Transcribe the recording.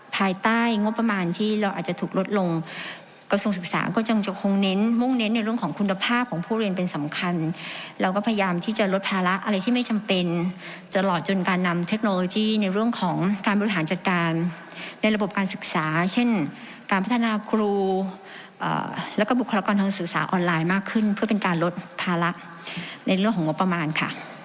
ภายใต้งบประมาณที่เราอาจจะถูกลดลงกระทรวงศึกษาก็จงจะคงเน้นมุ่งเน้นในเรื่องของคุณภาพของผู้เรียนเป็นสำคัญเราก็พยายามที่จะลดภาระอะไรที่ไม่จำเป็นจะหลอดจนการนำเทคโนโลยีในเรื่องของการบริฐานจัดการในระบบการศึกษาเช่นการพัฒนากรูเอ่อแล้วก็บุคลกรรมทางศึกษาออนไลน์มาก